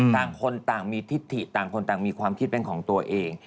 ต่างคนต่างมีทิศถิต่างคนต่างมีความคิดเป็นของตัวเอง